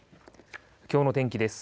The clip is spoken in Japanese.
きょうの天気です。